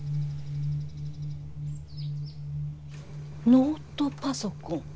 ノートパソコン？